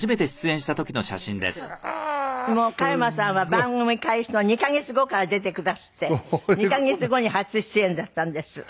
もう加山さんは番組開始の２カ月後から出てくだすって２カ月後に初出演だったんです。